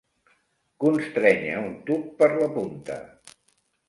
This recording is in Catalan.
Constrènyer un tub per la punta.